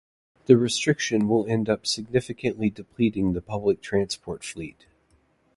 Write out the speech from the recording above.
The restriction will end up significantly depleting the public transport fleet.